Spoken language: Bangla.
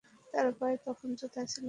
তার পায়ে তখন জুতা ছিল না।